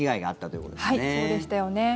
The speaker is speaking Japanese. そうでしたよね。